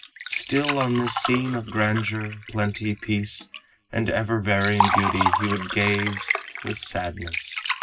Still on this scene of grandeur, plenty, peace And ever varying beauty, he would gaze With sadness.